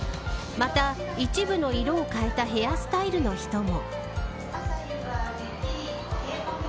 また一部の色を変えたヘアスタイルの人も。